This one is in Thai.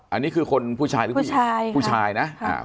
อันนี้คือคนผู้ชายหรือผู้ชายผู้ชายนะอ่า